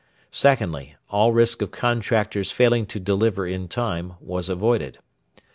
Secondly, all risk of contractors failing to deliver in time was avoided.